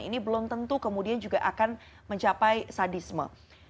ini belum tentu kemudian juga akan mencapai sadisme